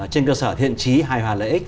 trên cơ sở thiện trí hài hòa lợi ích